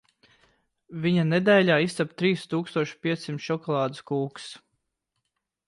Viņa nedēļā izcep trīs tūkstoš piecsimt šokolādes kūkas.